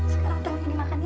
sekarang tahunya dimakan ya